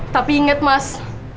tapi inget mas